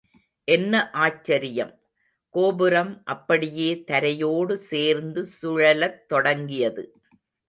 என்ன ஆச்சரியம், கோபுரம் அப்படியே தரையோடு சேர்ந்து சுழலத் தொடங்கியது.